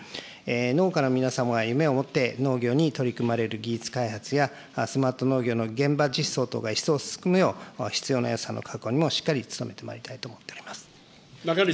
農家の皆様は夢を持って農業に取り組まれる技術開発や、スマート農業の現場実装等が一層進むよう必要な予算の確保にもしっかり努めてまいりたいと思っております。